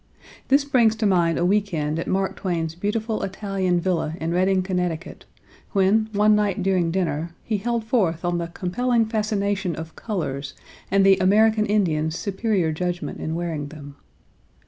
This brings to mind a week end at Mark Twain's beautiful Italian villa in Reading, Connecticut, when, one night during dinner, he held forth on the compelling fascination of colours and the American Indian's superior judgment in wearing them.